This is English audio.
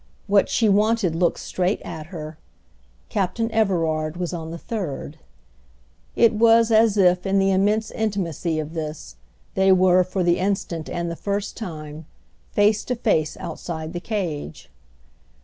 What she wanted looked straight at her—Captain Everard was on the third. It was as if, in the immense intimacy of this, they were, for the instant and the first time, face to face outside the cage.